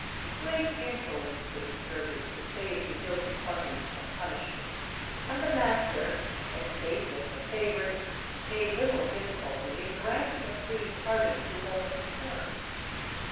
Great influence was exerted to save the guilty parties from punishment, and the master, as base as the favourite, made little difficulty in granting a free pardon to all concerned.